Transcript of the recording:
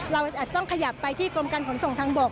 เราอาจต้องขยับไปที่กรมการขนส่งทางบก